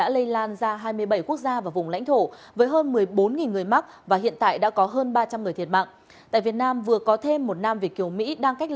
lễ hội khai ấn đền trần